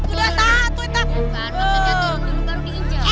udah satu itu